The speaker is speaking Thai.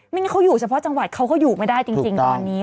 งั้นเขาอยู่เฉพาะจังหวัดเขาก็อยู่ไม่ได้จริงตอนนี้